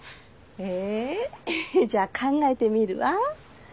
えじゃあ考えてみるわ。